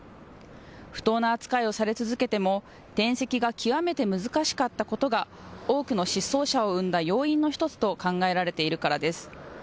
不当な扱いをされ続けても転籍が極めて難しかったことが多くの失踪者を生んだ要因の１つと考えられているからです。